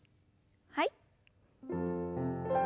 はい。